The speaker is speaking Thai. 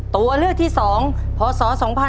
ตัวเลือกที่๒พศ๒๕๖๒